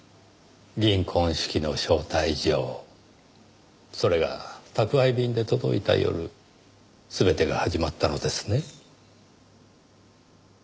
銀婚式の招待状それが宅配便で届いた夜全てが始まったのですね？